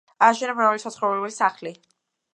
ააშენა მრავალი საცხოვრებელი სახლი.